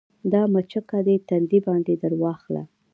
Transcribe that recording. دا مچکه دې تندي باندې درواخله